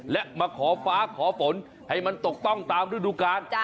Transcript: และมาขอฟ้าขอฝนให้มันตกต้องตามฤดูกาล